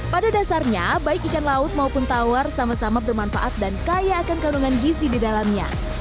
pada dasarnya baik ikan laut maupun tawar sama sama bermanfaat dan kaya akan kandungan gizi di dalamnya